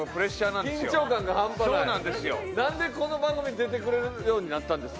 なんでこの番組に出てくれるようになったんですか？